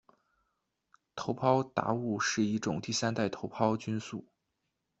头孢达肟是一种第三代头孢菌素。